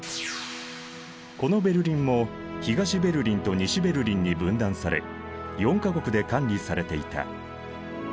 このベルリンも東ベルリンと西ベルリンに分断され４か国で管理されていた。